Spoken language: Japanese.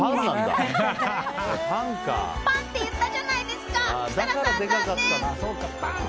パンって言ったじゃないですか設楽さん、残念！